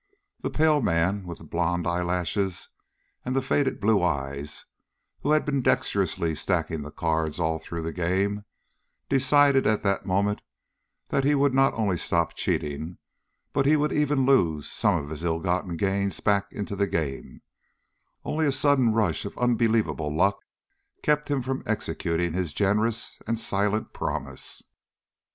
The pale man, with the blond eyelashes and the faded blue eyes, who had been dexterously stacking the cards all through the game, decided at that moment that he would not only stop cheating, but he would even lose some of his ill gotten gains back into the game; only a sudden rush of unbelievable luck kept him from executing his generous and silent promise.